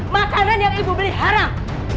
makanan yang ibu beli haram